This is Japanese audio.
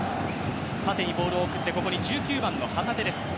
縦にボールを送って１９番の旗手です。